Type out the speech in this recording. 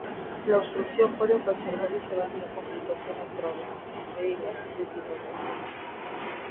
La obstrucción puede ocasionar diferentes complicaciones graves, entre ellas deshidratación.